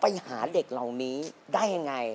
ไปหาเด็กเหล่านี้ได้ยังไง